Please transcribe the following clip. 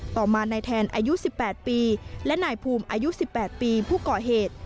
ต่อมานายแทนอายุ๑๘ปีและนายภูมิอายุ๑๘ปีผู้ก่อเหตุ